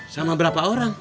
sama berapa orang